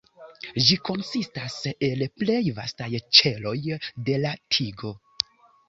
Ĝi konsistas el plej vastaj ĉeloj de la tigo.